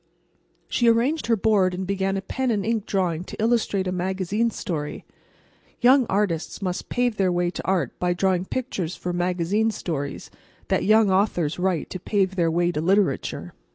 She arranged her board and began a pen and ink drawing to illustrate a magazine story. Young artists must pave their way to Art by drawing pictures for magazine stories that young authors write to pave their way to Literature.